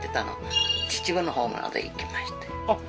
あっ